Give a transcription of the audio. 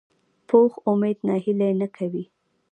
پوخ امید ناهیلي نه کوي